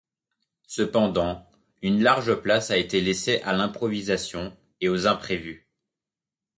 Cependant, une large place a été laissée à l'improvisation et aux imprévus.